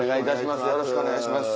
よろしくお願いします。